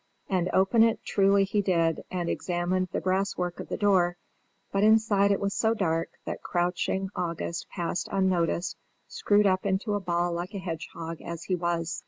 And open it truly he did, and examined the brass work of the door; but inside it was so dark that crouching August passed unnoticed, screwed up into a ball like a hedgehog as he was.